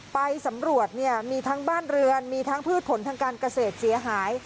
ไปสำรวจเนี่ยมีทั้งบ้านเรือนมีทั้งพืชผลทางการเกษตรเสียหาย